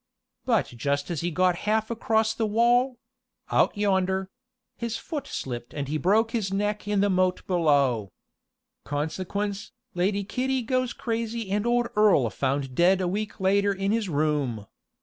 But just as he got half across the wall out yonder his foot slipped and he broke his neck in the moat below. Consequence, Lady Kitty goes crazy and old Earl found dead a week later in his room.